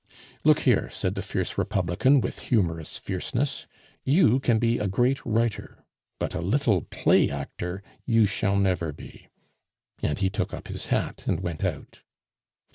"Look here," said the fierce republican, with humorous fierceness, "you can be a great writer, but a little play actor you shall never be," and he took up his hat and went out.